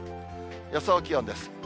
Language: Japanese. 予想気温です。